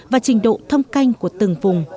và trình độ thâm canh của từng vùng